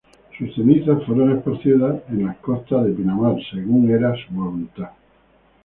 Sus cenizas fueron esparcidas en las Costas de Pinamar, según fuera su voluntad.